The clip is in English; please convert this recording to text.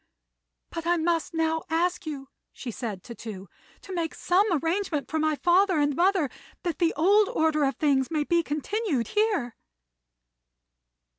"But I must now ask you," said she to Tou, "to make some arrangement for my father and mother, that the old order of things may be continued here."